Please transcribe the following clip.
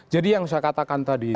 jadi yang saya katakan tadi itu